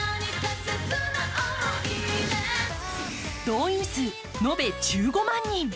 動員数延べ１５万人。